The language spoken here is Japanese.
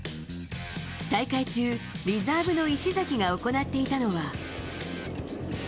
大会中、リザーブの石崎が行っていたのは。